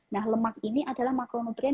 nah lemak ini adalah makronutrien